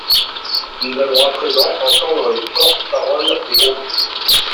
Nous allons à présent entendre les porte-parole des groupes.